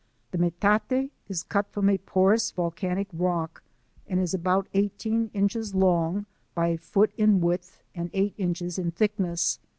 The metate is cut from a porous, volcanic rock, and is about eighteen inches long by a foot in width and eight inches in thick ness.